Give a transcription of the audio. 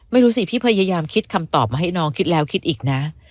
ไม่รู้สิพี่พยายามคิดคำตอบมาให้น้องคิดแล้วคิดอีกนะ